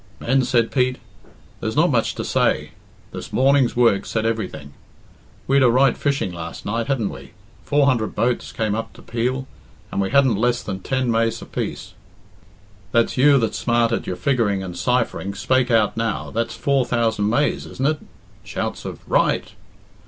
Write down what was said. "Men," said Pete, "there's not much to say. This morning's work said everything. We'd a right fishing last night, hadn't we? Four hundred boats came up to Peel, and we hadn't less than ten maise apiece. That's you that's smart at your figguring and ciphering, spake out now that's four thousand maise isn't it?" (Shouts of "Right.")